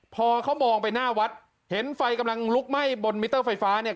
พอเขามองไปหน้าวัดเห็นไฟกำลังลุกไหม้บนมิเตอร์ไฟฟ้าเนี่ย